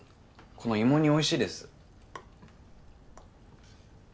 この芋煮おいしいです。